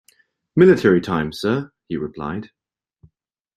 "Military time, sir," he replied.